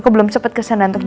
selamat ulang tahun